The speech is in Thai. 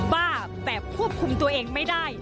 แบบควบคุมตัวเองไม่ได้